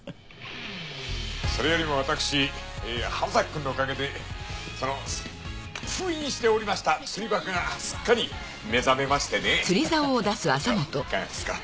それよりも私浜崎君のおかげでその封印しておりました釣りバカがすっかり目覚めましてね社長いかがですか？